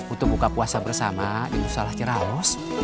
untuk buka puasa bersama di musalah ciraus